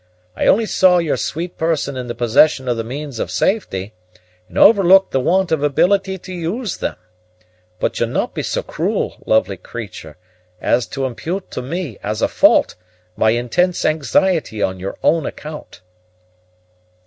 I only saw your sweet person in the possession of the means of safety, and overlooked the want of ability to use them; but you'll not be so cruel, lovely creature, as to impute to me as a fault my intense anxiety on your own account."